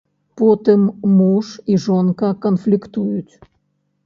Потым муж і жонка канфліктуюць.